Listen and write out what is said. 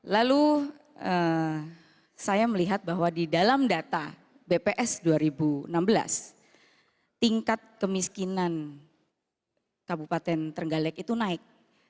lalu saya melihat bahwa di dalam data bps dua ribu enam belas tingkat kemiskinan kabupaten trenggalek itu naik